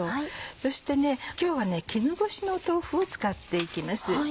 そして今日は絹ごしの豆腐を使っていきます。